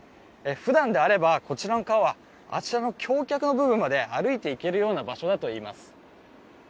ふだんであれば、こちらの川はあちらの橋脚の部分まで歩いていけるような場所だといいます。